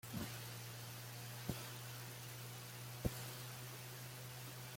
Komiseri muri Komisiyo y’Ubumwe n’Ubwiyunge